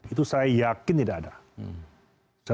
itu saya yakin tidak ada